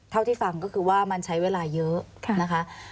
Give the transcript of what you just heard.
เท่าที่ฟังก็คือว่ามันใช้เวลาเยอะนะคะ